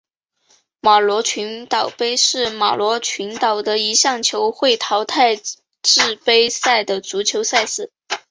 法罗群岛杯是法罗群岛的一项球会淘汰制杯赛的足球赛事。